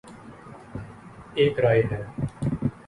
ایک رائے ہے۔